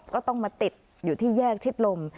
ก็ต้องมาติดอยู่ที่แยกชิดลม